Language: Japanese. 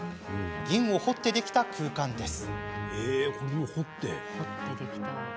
銀を掘ってできた空間です。